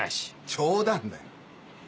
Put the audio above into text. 冗談だよ。